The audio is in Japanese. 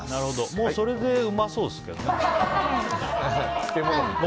もうそれでうまそうですけどね。